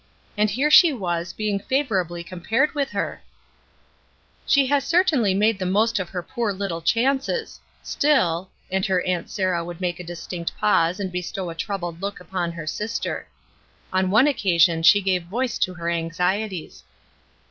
And here she was, being favorably compared with her ! ''She has certainly made the most of her poor little chances; still —" and her Aunt Sarah would make a distinct pause and bestow a troubled look upon her sister. On one occasion she gave voice to her anxieties.